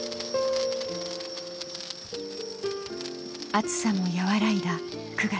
暑さも和らいだ９月。